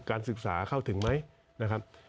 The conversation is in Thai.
การศึกษาเข้าถึงไหม